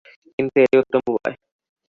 কিন্তু এটাই উত্তম উপায়।